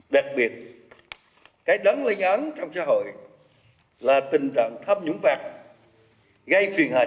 đặc biệt cái đớn lây ngắn trong xã hội là tình trạng tham nhũng vật gây phiền hại